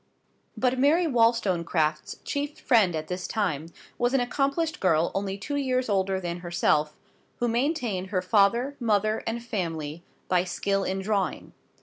But Mary Wollstonecraft's chief friend at this time was an accomplished girl only two years older than herself, who maintained her father, mother, and family by skill in drawing.